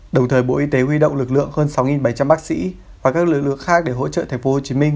đồng thời bộ y tế huy động lực lượng hơn sáu bảy trăm linh bác sĩ và các lực lượng khác để hỗ trợ tp hcm